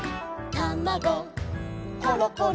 「たまごころころ」